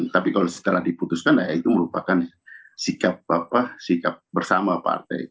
tapi kalau setelah diputuskan ya itu merupakan sikap bersama partai